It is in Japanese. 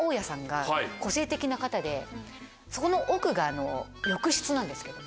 な方でそこの奥が浴室なんですけども。